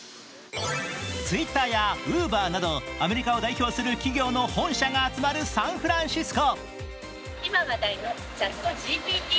ＴｗｉｔｔｅｒやＵｂｅｒなどアメリカを代表する企業の本社が集まるサンフランシスコ。